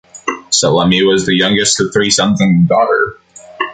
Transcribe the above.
Salemi was the youngest of three sons and a daughter.